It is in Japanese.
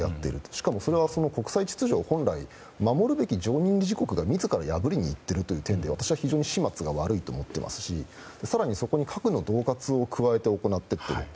しかも、それは本来、守るべき常任理事国が自ら破りにいっている点では私は非常に始末が悪いと思っていますし更に、そこに核の恫喝を加えて行ってと。